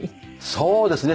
そうですね。